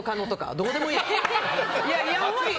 どうでもいいわ。